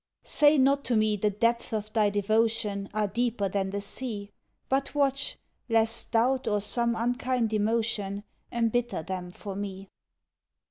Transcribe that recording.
Say not to me the depths of thy devotion Are deeper than the sea; But watch, lest doubt or some unkind emotion Embitter them for me.